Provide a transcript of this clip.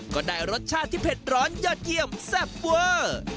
ก็ได้รสชาติที่เผ็ดร้อนยอดเยี่ยมแซ่บเวอร์